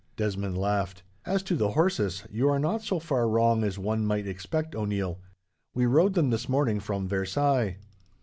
Desmond laughed. "As to the horses, you are not so far wrong as one might expect, O'Neil. We rode them this morning from Versailles."